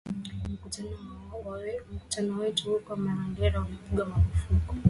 Mkutano wetu huko Marondera ulipigwa marufuku.